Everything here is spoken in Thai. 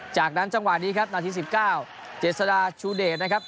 จากนั้นจังหวะนี้ครับนาที๑๙เจษฎาชูเดชนะครับ